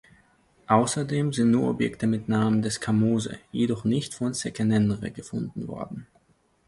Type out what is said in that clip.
Außerdem sind nur Objekte mit Namen des Kamose, jedoch nicht von Seqenenre gefunden worden.